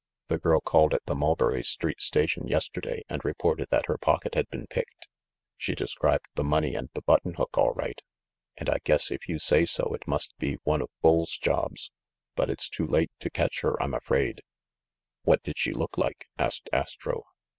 "The girl called at the Mulberry Street Station yes terday and reported that her pocket had been picked. She described the money and the button hook all right ; and I guess if you say so it must be one of Bull's jobs. But it's too late to catch her, I'm afraid." "What did she look like?" asked Astro.